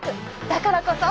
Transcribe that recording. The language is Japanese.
だからこそ！